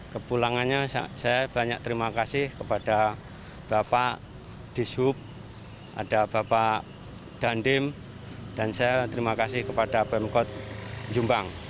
kepulangannya saya banyak terima kasih kepada bapak dishub ada bapak dandim dan saya terima kasih kepada pemkot jombang